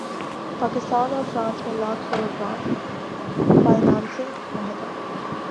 پاکستان اور فرانس میں lakh euro grant financing معاہدہ